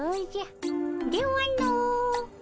ではの。